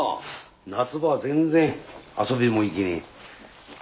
夏場全然遊びも行けねえ。